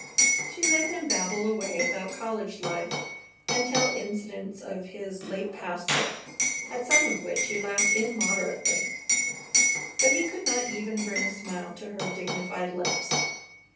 She let him babble away about college life and tell incidents of his late pastorate, at some of which he laughed immoderately; but he could not even bring a smile to her dignified lips.